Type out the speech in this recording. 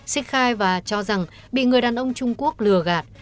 xích khai và cho rằng bị người đàn ông trung quốc lừa gạt